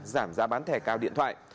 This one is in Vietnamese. giảm giá bán thẻ cao điện thoại